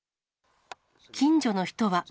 近所の人は。